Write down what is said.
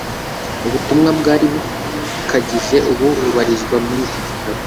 Ubutumwa bwari bukagize ubu bubarizwa muri iki gitabo